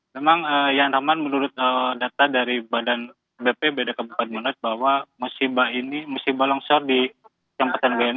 memang yan rahman menurut data dari badan bp bdk bukadunas bahwa musibah ini musibah longsor di kampung gintung